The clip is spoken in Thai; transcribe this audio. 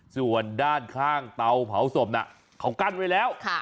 ส่วนด้านข้างเตาเผาศพน่ะเขากั้นไว้แล้ว